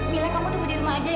mila kamu tunggu di rumah aja ya